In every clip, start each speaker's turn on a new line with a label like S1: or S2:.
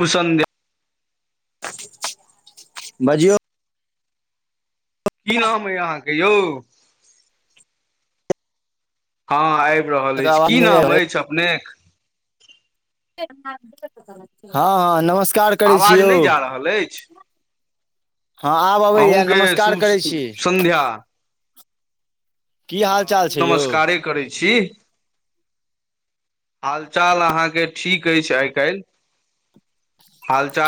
S1: शुभसंध्या
S2: बजियौ
S1: की नाम यइ अहाँके यौ हँ आब रहल अछि
S2: आवाज
S1: की
S2: नहि आयल
S1: नाम अछि अपने
S2: हँ हँ नमस्कार नमस्कार करै छी
S1: आवाज
S2: यौ
S1: नहि जा रहल अछि
S2: हँ आब अबैया
S1: अहूँके
S2: नमस्कार
S1: शुभ
S2: करैत छी
S1: सन्ध्या
S2: की
S1: हँ
S2: हाल चाल
S1: हमूँ
S2: छै यौ
S1: नमस्कारे करै छी हाल चाल अहाँके ठीक अछ आइ काल्ह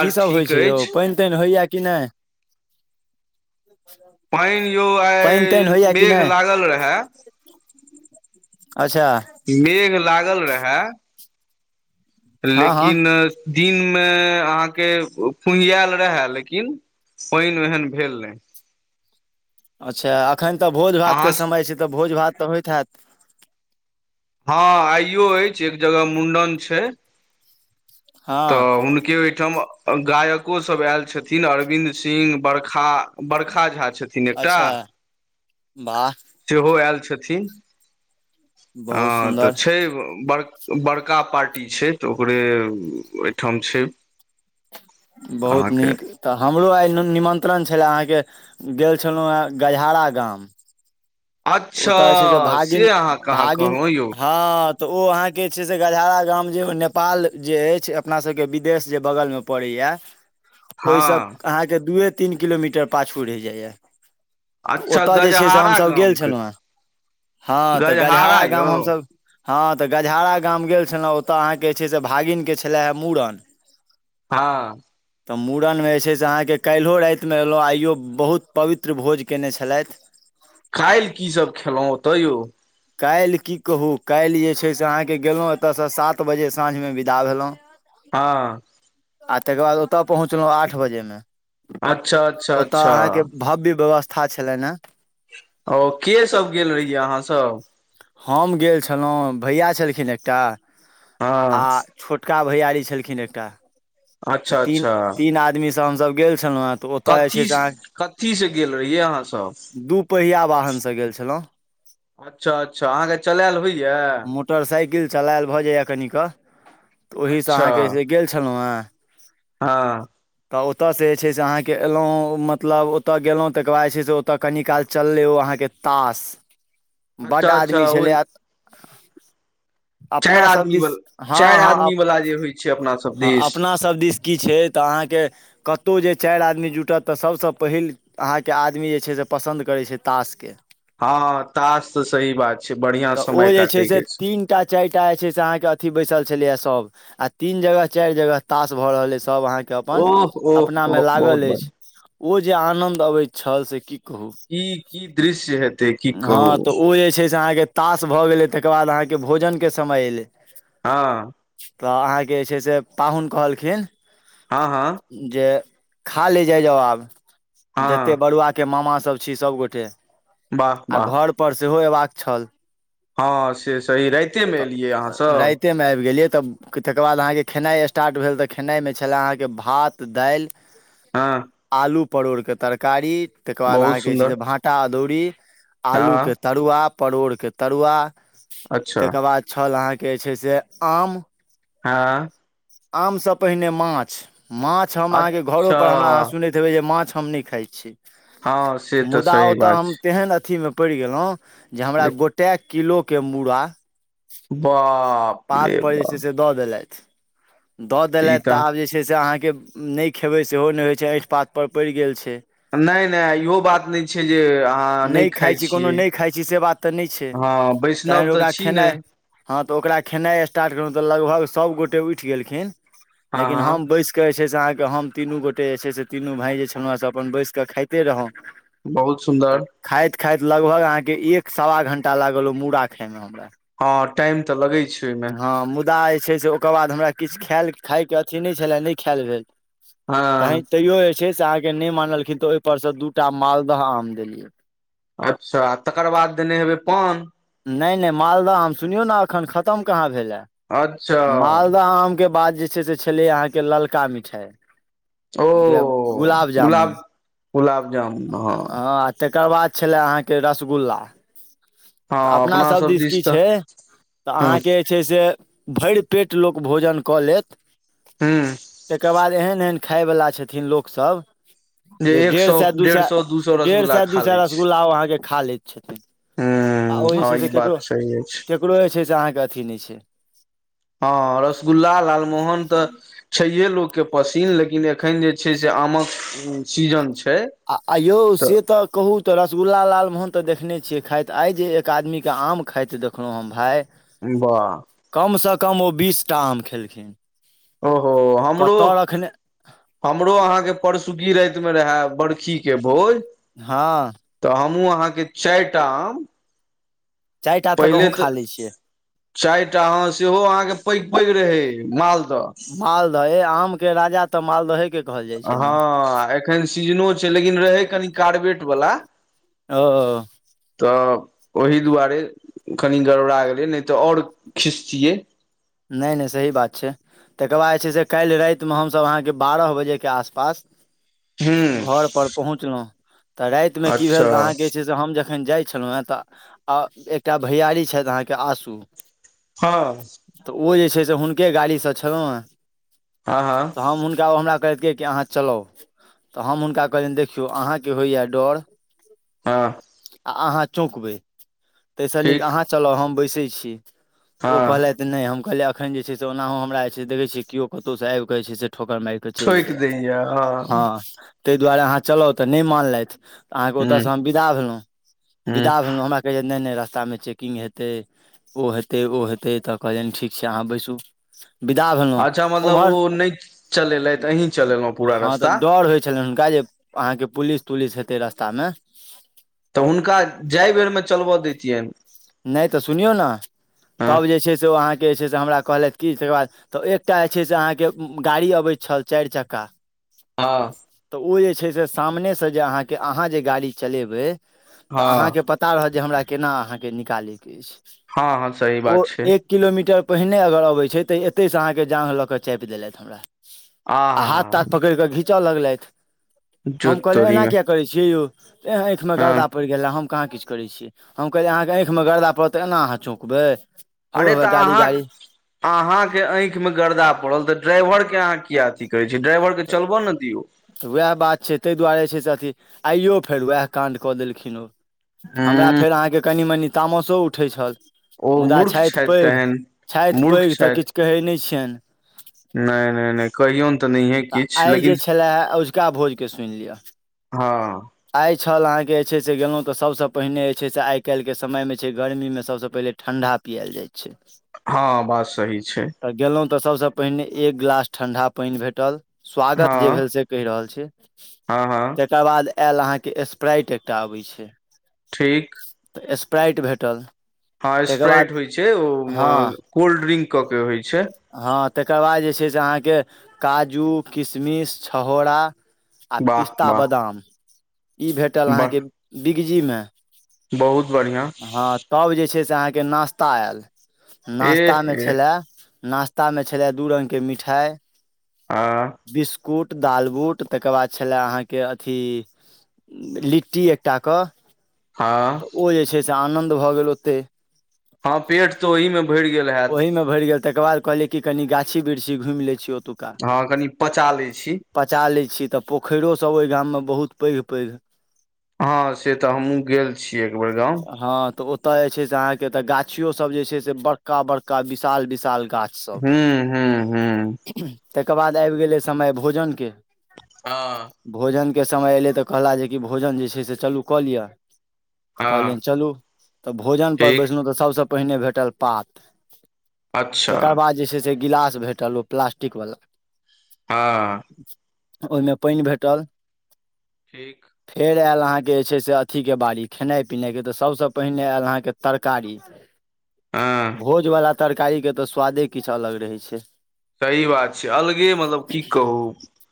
S2: कीसभ होइ
S1: ठीक
S2: छै यौ
S1: अछि
S2: पानि तानि होइए कि नहि
S1: पानि यौ आइ
S2: पानि तानि होइया कि
S1: मेघ
S2: नहि
S1: लागल रहा
S2: अच्छा
S1: मेघ लागल रहा
S2: हँ हँ
S1: लेकिन दिनमे अहाँके फुनिआएल रहए लेकिन पानि ओहन भेल नहि
S2: अच्छा एखन तऽ भोज
S1: अहाँ
S2: भातके समय छै तऽ भोज भात तऽ होइत हैत
S1: हँ आइयो अछि एक जगह मुण्डन छै
S2: हँ
S1: तऽ हुन के ओहिठाम गायको सब आयल छथिन अरविन्द सिंह बड़खा बड़खा झा छथिन एकटा
S2: अच्छा वाह
S1: सेहो आयल छथिन
S2: बहुत
S1: हँ तऽ
S2: सुन्दर
S1: छै बड़ बड़का पार्टी छै तऽ ओकरे ओहिठाम छै
S2: बहुत
S1: अहाँके
S2: नीक तऽ हमरो आइ निमंत्रण छले अहाँके गेल छलहु हे गजहारा गाम तऽ
S1: अच्छा
S2: ओतय जे छै से भागिन
S1: अहाँ कहाँ
S2: भागिन
S1: कहलहुँ यौ
S2: हँ तऽ ओ अहाँके जे छै से गजराा गाम जे ओ नेपाल जे अछि अपना सबके विदेश जे बगलमे परैया
S1: हँ
S2: ओहि सँ अहाँ के दू तीन किलोमीटर पाछू रहै जाइया त
S1: अच्छा
S2: ओतय जे छै से
S1: गजहारा
S2: हमसभ गेल
S1: गामके
S2: छलहुँ हेँ हँ तऽ
S1: गजहारा
S2: गजराा
S1: यौ
S2: गाम हमसभ हँ तऽ गजहारा गाम गेल छलहुँ ओतऽ अहाँके जे छै से भागिनके छलए हे मूड़न
S1: हँ
S2: तऽ मूड़नमे जे छै से अहाँके काल्हिो रातिमे अयलहुँ आइयो बहुत पवित्र भोज कयने छलथि
S1: काल्हि की सब खेलहुं ओतय यौ
S2: काल्हि की कहू काल्हि जे छै से अहाँके गेलहुँ एतयसँ सात बजे साँझमे विदा भेलहुँ
S1: हँ
S2: आ तकर बाद ओतऽ पहुँचलहुँ आठ बजेमे
S1: अच्छा अच्छा
S2: ओतय
S1: अच्छा
S2: अहाँके भव्य व्यवस्था छले ने
S1: ओ के सब गेल रहियै अहाँ सब
S2: हम गेल छलहुँ भैया छलखिन एकटा
S1: हँ
S2: आ छोटका भैयारी छलखिन एकटा तऽ
S1: अच्छा
S2: तीन
S1: अच्छा
S2: तीन आदमी से हमसभ गेल छलहुँ हेँ तऽ ओतय जे छै से
S1: कथीसँ
S2: अहाँ
S1: कथीसँ गेल रहियै अहाँसभ
S2: दू पहिया वाहनसँ गेल छलहुँ
S1: अच्छा अच्छा अहाँके चलायल होइया
S2: मोटरसाइकिल चलायल भऽ जाइया कनिक तऽ ओहिसँ
S1: अच्छा
S2: अहाँके से गेल छलहुँ हँ
S1: हँ
S2: तऽ ओतऽसँ जे छै से अहाँके अयलहुँ मतलब ओतऽ गेलहुँ तकर बाद जे छै से ओ तऽ कनी काल चललै ओ अहाँके तास
S1: अच्छा अच्छा ओ चारि
S2: अपना सब
S1: आदमी
S2: दिस
S1: वला
S2: हँ
S1: चारि
S2: हँ
S1: आदमी वाला जे होइ छै अपना सब
S2: हँ
S1: दिस
S2: अपना सब दिस की छै तऽ अहाँके कतहुौ जे चारि आदमी जुटत तऽ सभसँ पहिल अहाँके आदमी जे छै से पसन्द करै छै तासके
S1: हँ तश तऽ सही बात छै बढ़िियां समय काटे के छै
S2: एकटा चारि टा जे छै से अहाँके अथी बैसल छलैय सब आ तीन जगह चारि जगह तश भऽ रहल अछि सब अहाँके अपन
S1: ओह ओह
S2: अपना मे
S1: ओह बहुत
S2: लागल
S1: बढ़िया
S2: अछि ओ जे आनंद अबैत छल से की
S1: की की दृश्य हेतै की कहू
S2: हँ तऽ ओ जे छै से अहाँके तास भऽ गेलै तकर बाद अहाँके भोजनके समय अयलै
S1: हँ
S2: तऽ अहाँके जे छै से पाहुन कहलखिन
S1: हँ हँ
S2: जे खाले जाय जाउ आब जते
S1: हँ
S2: बड़ुआ के मामा सब छी सब गोटे
S1: वाह
S2: आ
S1: वाह
S2: घर पर सेहो अयबाक छल
S1: हँ से सही राइतेमे एलियै अहाँसभ
S2: मे आबि गेलै तब तकर बाद अहाँके के खेनाइ स्टार्ट भेल तऽ खेनाइमे छलय अहाँके भात दालि
S1: हँ
S2: आलू परोड़के तरकारी तकर बाद
S1: बहुत
S2: अहाँके जे छै
S1: सुन्दर
S2: से भाटा अदौरी आलू
S1: हँ
S2: के तरुआ परोड़के तरुआ
S1: अच्छा
S2: तकर बाद छल अहाँके जे छै से आम
S1: हँ
S2: आम से पहिने माछ माछ हम अहाँके घरो
S1: अच्छा
S2: पर हमरा अहाँ सुनैत देखबै जे माछ हम नहि खााय छी
S1: हँ से तऽ
S2: मुदा
S1: सही
S2: ओतऽ
S1: बात
S2: हम
S1: छै
S2: तेहन अथी मे पड़ि गेलहु जे हमरा
S1: देख
S2: गोटए किलोके मूड़ा
S1: बाह
S2: पात पर जे छै से दऽ देलथि दऽ देलथि तऽ आब जे छै छै से अहाँके नहि खेबै सेहो नहि होइ छै अंठि पात पर पड़ि गेल छै
S1: नहि नहि इहो बात नहि छै जे अहाँ नहि खााय छी
S2: कोनो नहि खाइ छी से बात तऽ नहि छै
S1: हँ वैष्णव
S2: तखन
S1: तऽ
S2: ओकरा
S1: छी ने।
S2: खेनाइ हँ, तऽ ओकरा खेनाइ स्टार्ट करेलहुँ तऽ लगभग सभगोटे उठि गेलखिन,
S1: हँ
S2: लेकिन
S1: हँ
S2: हम बैसि कऽ जे छै से अहाँके हम तीनू गोटे जे छै से तीनू भाय जे छलहु हँ से अपन बैस कऽ खाइते रहौं।
S1: बहुत सुन्दर
S2: खाइत खाइत लगभग अहाँके एक सवा घण्टा लागल ओ मूड़ा खाइमे हमरा।
S1: हँ टाइम तऽ लगै छै। ओहिमे
S2: हँ, मुदा जे छै से ओकर बाद हमरा किछु खायल खायके अथी नहि छलए, नहि खाएल भेल।
S1: हँ
S2: तऽ तैयो जे छै से अहाँके नहि मानलखिन तऽ ओहिपरसँ दूटा मालदह आम देलियै।
S1: अच्छा तकर बाद देने हेबै पान
S2: नहि नहि, मालदह हम सुनियौ ने, एखन खत्म कहाँ भेलए।
S1: अच्छा
S2: मालदह आमके बाद जे छै से छलै अहाँके ललका मिठाइ।
S1: ओ
S2: जे गुलाब जामुन
S1: गुलाब जामुन हँ
S2: तकर बाद छलै अहाँके रसगुल्ला तऽ
S1: हँ
S2: अपना सभ
S1: सब
S2: दिस की
S1: तऽ
S2: छै तऽ
S1: ह
S2: अहाँके छै। से भरि पेट लोक भोजन कऽ लेत
S1: हूँ
S2: तकर बाद एहन एहन खाय बला छथिन लोकसभ।
S1: जे एक सए
S2: दू
S1: डेढ़
S2: सए
S1: दू
S2: डेढ़
S1: रसगुल्ला
S2: सए दू
S1: खा
S2: सए
S1: लै छी
S2: रसगुल्ला अहाँके खा लैत छथिन। आ
S1: हूँ
S2: ओ जे
S1: हँ
S2: छै
S1: ई
S2: से
S1: बात
S2: केकरो
S1: सही अछि
S2: केकरो जे छै से अहाँके अथी नहि छै।
S1: हँ रसगुल्ला लालमोहन तऽ। छैहे लोककेँ पसिन, लेकिन एखन जे छै से आमक सीजन छै।
S2: आ यौ, से तऽ कहू तऽ रसगुल्ला, लालमोहन तऽ देखने छियै, खाइत आइ जे एक आदमीके आम। खाइत देखलहुँ हम भाय
S1: बाह
S2: कमसँ कम ओ बीस टा आम खेलखिन।
S1: ओहो हमरो
S2: कतय रखने
S1: हमरो अहाँके परसुकी रातिमे रहय बर्खी के भोज।
S2: हँ
S1: तऽ हमहूँ अहाँके चारिटा आम
S2: चारि टा तक
S1: पहिले
S2: अहूँ
S1: तऽ
S2: खा लै छियै
S1: चारि टा हऽ, सेहो अहाँके पैघ पैघ रहै मालदह।
S2: तऽ हे आमके राजा तऽ मालदहे के। कहल जाइ छै ने
S1: हँ, एखन सीजनो छै, लेकिन रहै कनि कार्बेटवला।
S2: ओ
S1: तऽ ओहि दुआरे कनि गड़बड़ा गेलै, नहि तऽ आओर खिसतियै।
S2: नहि नहि सही बात छै। तकर बाद जे छै से काल्हि रातिमे हमसभ अहाँके बारह बजेके आसपास।
S1: हूं
S2: घर पर पहुँचलहुँ तऽ रातिमे की भेल
S1: अच्छा
S2: तऽ अहाँके छै। से हम जखन जाइ छलहुँ हँ तऽ एकटा भैआरी छथि, अहाँके आँसू।
S1: हँ
S2: तऽ ओ जे छै से हुनके गाड़ीसँ छलहुँ ने,
S1: हँ हँ
S2: तऽ हम हुनका, ओ हमरा। कि अहाँ चलाउ तऽ हम हुनका कहलिअनि, देखियौ अहाँके होइए डर।
S1: हँ
S2: आ अहाँ चौकबै, ताहिसँ नीक
S1: ठीक
S2: अहाँ चलऽ, हम बैसै छी, तऽ
S1: हँ
S2: ओ कहलथि। नहि, हम कहलियै, एखन जे छै से ओनाहो हमरा जे छै देखऽ छी केओ कतहु सँ आबि कऽ जे छै से ठोकर मारि। तऽ चलि
S1: ठोकि
S2: जाइय
S1: दैय
S2: हँ ताहि दुआरे अहाँ चलाउ तऽ नहि मानलथि, तऽ अहाँके
S1: हूं
S2: ओतऽसँ हम विदा भेलहुँ,
S1: हूं
S2: विदा भेलहुँ हमरा। कहै छै, नहि नहि, रस्तामे चेकिंग हेतै, ओ हेतै, ओ हेतै, तऽ कहलनि, ठीक छै, अहाँ बैसू। विदा भेलहुं
S1: अच्छा मतलब
S2: उम्हर
S1: ओ नहि चलेलथि अहीं चलेलहुँ पूरा
S2: हँ तऽ
S1: रस्ता
S2: डर होइ छलनि हुनका जे अहाँ के पुलिस तुलिस हेते रस्ता मे
S1: तऽ हुनका जाय बेरमे चलबय दैतियनि
S2: नहि तऽ सुनियौ ने
S1: हँ
S2: तब जे छै से ओ अहाँके जे छै से हमरा कहलथि कि तकर बाद तऽ एकटा जे छै से अहाँके गाड़ी अबैत छल चारि चक्का
S1: हँ
S2: तऽ ओ जे छै से सामने से जे अहाँके अहाँ जे गाड़ी चलेबै तऽ
S1: हँ
S2: अहाँके पता पता रहत जे हमरा केना अहाँके निकालै के अछि
S1: हँ हँ सही
S2: ओ
S1: बात छै
S2: एक किलोमीटर पहिने अगर अबैत छै तऽ एतैसँ अहाँके जाँग लऽ कऽ चापि देलथि हमरा आ
S1: हा
S2: हाथ
S1: हा
S2: ताथ पकड़ि कऽ घींचऽ लगलथि हम
S1: जोत
S2: कहलियै
S1: तोरी
S2: एना
S1: मे
S2: किया करै छियै यौ तऽ ऐंह आँखिमे
S1: हँ
S2: गरदा परि गेल मे हम कहाँ किछ करै छियै तऽ हम कहलियै अहाँ आँखिमे गर्दा पड़त तऽ एना अहाँ चौकबै
S1: अरे तऽ अहाँ अहाँ के आँखि मे गर्दा पड़ल तऽ ड्राइवर के अहाँ किया अथी कहै छियै ड्राइवर के चलबऽ ने दियौ
S2: तऽ उएह बात छै ताहि दुआरे छै से अथी आइयो फेर उएह काण्ड कऽ देलखिन ओ हमरा
S1: हूँ
S2: फेर अहाँके कनि मनि तामसो उठैत छल
S1: ओ
S2: मुदा
S1: मूर्ख
S2: छैथ
S1: छथि
S2: पैघ
S1: तेहन
S2: छैथ
S1: मूर्ख
S2: पैघ तऽ
S1: छथि
S2: किछु कहै नहि छियनि
S1: नहि नहि नहि कहिऔन
S2: तऽ आइ जे छलेे अझुका भोजके सुनि लिअ
S1: हँ
S2: आइ छल अहाँके जे छै से गेलहुँ तऽ सभसँ पहिने जे छै से आइ काल्हि के समय मे छै गर्मी मे सभसँ पहिने ठंडा पिएल जाइ छै
S1: हँ बात सही छै
S2: तऽ गेलहुॅं तऽ सबसे पहिने एक गिलास ठंडा पानि भेटल स्वागत जे
S1: हँ
S2: भेल से कहि रहल छी
S1: हँ हँ
S2: एकर बाद आयल अहाँ के स्प्राइट एकटा अबै छै
S1: ठीक
S2: तऽ स्प्राइट भेटल
S1: हँ
S2: तकर बाद
S1: स्प्राइट होइ छै ओ
S2: हँ
S1: कोल्ड ड्रिंक कऽ के होइ छै
S2: हँ तकर बाद जे छै से अहाँके काजू किशमिश छहोड़ा आ
S1: वाह
S2: पिस्ता
S1: वाह
S2: बदाम ई भेटल
S1: वाह
S2: अहाँके बिगजी मे
S1: बहुत बढ़ियां
S2: तब जे छै से अहाँके नास्ता आयल
S1: एह
S2: नास्तामे
S1: एह
S2: छलै नास्त त्ता मे छलै दू रंग के मिठाई
S1: हँ
S2: बिस्कुट दालबुट तकर बाद छलै अहाँके अथी लिट्टी एकटा कऽ
S1: हँ
S2: ओ जे छै से आनन्द भऽ गेल ओत्तै
S1: हँ पेट तऽ ओहि मे भरि गेल हयैत
S2: ओहि मे भरि गेल तेकर बाद कहलिय कनि गाछी वृक्षी घुमि लै छी ओतुक
S1: हँ कनी पचा लै छी
S2: पचा लै छी तऽ पोखरियो सभ ओहि गाममे बहुत पैघ पैघ
S1: हँ से तऽ हमहु गेल छी
S2: हँ तऽ ओ एताे जे छै से आहाँ केे गाछियो सब जे छै से बड़का बड़का विशाल विशाल गाछ सब
S1: हू हू हूंम्म
S2: तकर बाद आबि गेलै समय भोजनके
S1: हँ
S2: भोजनके समय एयलै तऽ कहला जे कि भोजन जे छै से चलू कऽ लिअ तऽ
S1: हँ
S2: कहलियनि चलू तऽ भोजनपर
S1: ठीक
S2: बैसलहुँ तऽ सभसँ पहिने भेटल पात
S1: अच्छा
S2: तकर बाद जे छै से गिलास भेटल ओ प्लास्टिकवला
S1: हँ
S2: ओहिमे पानि भेटल
S1: ठीक
S2: फेर आयल अहाँके जे छै से अथीके बारीीक खेनाइ पिनाइके तऽ सभसँ पहिने आयल अहाँके तरकारी
S1: आँ
S2: भोज वाला तरकारी के तऽ स्वादे किछु अलग रहे छै
S1: सही बात छै अलगे मतलब की कहू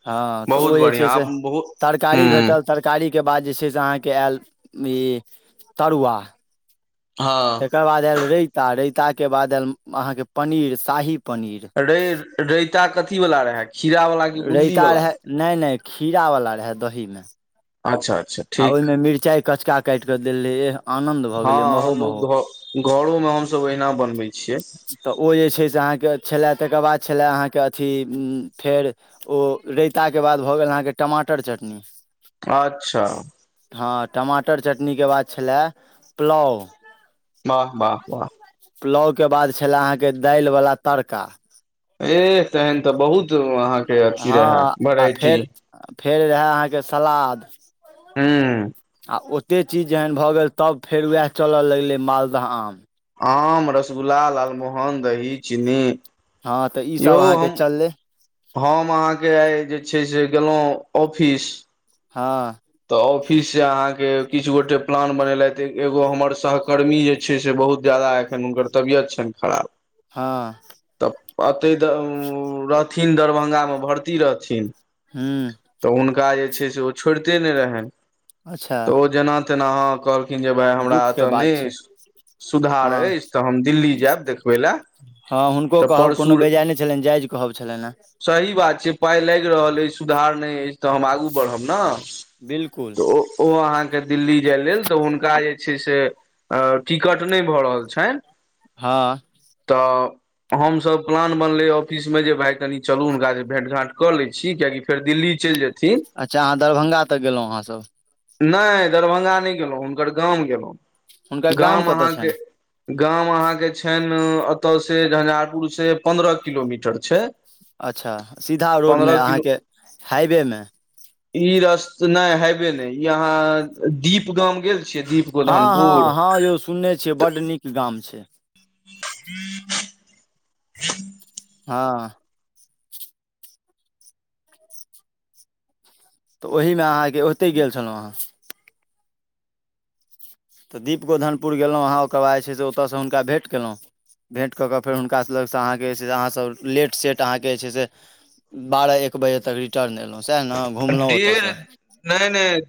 S2: हँ तऽ
S1: बहुत
S2: ओ जे
S1: बढ़िआँ
S2: छै से
S1: आब बहुत
S2: तरकारी
S1: हुँ
S2: भेटल तरकारीके बाद जे छै से अहाँके आयल ई तरुआ
S1: हँ
S2: तकर बाद आएल राइता राताके बाद आयल अहाँके पनीर शाही पनीर
S1: रे र‌इता कथी वाला रहै खीरा वाला कि बूंदी
S2: र‌इता
S1: वाला
S2: रहै नहि नहि खीरा वाला रहै दही मे
S1: अच्छा अच्छा
S2: आ
S1: ठीक
S2: ओहिमे मिरचाई कचका काटि कऽ देल रहे
S1: हँ लोको घ घरोमे हमसभ ओहिना बनबै छियै
S2: तऽ ओ जे छै से अहाँके छलय तकर बाद छलय अहाँके अथी फेर ओ र‌इता के बाद भऽ गेल अहाँके टमाटर चटनी
S1: अच्छा
S2: हँ टमाटर चटनी के बाद छलाए पुलाव
S1: वाह वाह वाह
S2: पुलाव के बाद छले अहाँके दालि वला तड़का
S1: ए तहन तऽ बहुत अहाँके अथी
S2: हँ
S1: रहे
S2: आ
S1: वेराइटी
S2: फेर फेर रहै अहाँके सलाद
S1: हूँ
S2: आ ओ एते चीज जहन भऽ गेल तब फेर वएह चलऽ लगलै मालदह आम
S1: आम रसगुल्ला लालमोहन दही चीनी
S2: हँ तऽ ई
S1: यौ
S2: सब अहाँके
S1: हम
S2: चललै
S1: हम अहाँके आइ जे छै से गेलहुँ ऑफिस
S2: हँ
S1: तऽ ऑफिस से अहाँ के किछु गोटे प्लान बनेलथि एगो हमर सहकर्मी जे छै से बहुत ज्यादा एखन हुनकर तबियत छनि खराब
S2: हँ
S1: तऽ एतैऽ रहथिन दरभंगामे भर्ती रहथिन
S2: हू
S1: तऽ हुनका जे छै से ओ छोड़िते नहि रहनि
S2: अच्छा
S1: तऽ ओ जेना तेना हाँ कहल लेकिन जे भाय हमरा
S2: दुःख के
S1: एतय
S2: बात
S1: नहि
S2: छै
S1: सुधार
S2: हँ
S1: अछि तऽ हम दिल्ली जायब देखबै लए
S2: हँ हुनको
S1: तऽ
S2: कहब कोनो
S1: परसू
S2: बेजाय नहि छलनि जा जयज कहब छलनि हेँ
S1: सही बात छै पाइ लागि रहल अछि सुधार नहि अछि तऽ हम आगू बढ़ब ने
S2: बिल्कुल
S1: तऽ ओ अहाँके दिल्ली जाय लेल तऽ हुनका जे छै से अ टिकट नहि भऽ रहल छनि
S2: हँ
S1: तऽ हमस प्लान बनले ऑफिस मे जे भाय कनी चलू हुनका से भेंट घाट क ले छी कियकि फेर दिल्ली चलि जेते ठीक
S2: अच्छा अहाँ दरभंगा तक गेलहुँ अहाँसभ
S1: नाइ दरभंगा नइ गेलहुँ हुनकर गाम गेलहुँ
S2: हुनकर
S1: गाम
S2: कतय छनि
S1: अहाँके गाम अहाँके छनि एतय से झंझारपुर से पन्द्रह किलोमीटर छै
S2: अच्छा सीधा रोड मे
S1: पन्द्रह किलो
S2: अहाँके हाइवे मे
S1: ई रस नइ हाइबे नइ ई अहाँ दीप गाम गेल छियै दीप
S2: हँ
S1: गोधनपुर
S2: हँ हँ यौ सुनने छियै बड नीक गाम छै
S1: [inaudible]
S2: हँ तऽ ओहिमे अहाँके ओतहि गेल छलहुँ हेँ तऽ दीप गोधनपुर गेलहुँ अहाँ ओकर बाद जे छै से ओतयसँ हुनका भेट कयलहुँ भेँट कऽ कऽ फेर हुनकास लगसँ अहाँके जे छै से अहाँसभ लेट सेट अहाँके जे छै से बारह एक बजे तक रिटर्न एलहुँ सएह ने घुमलहुँ
S1: डेढ़
S2: ओतयसँ
S1: नहि नहि